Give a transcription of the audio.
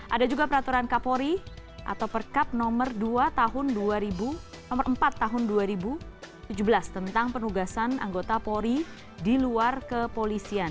ada juga peraturan kapori atau perkap nomor empat tahun dua ribu tujuh belas tentang penugasan anggota pori di luar kepolisian